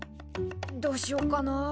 どうしよっかな。